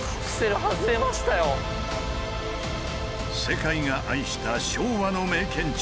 世界が愛した昭和の名建築。